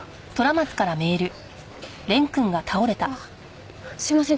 あっすいません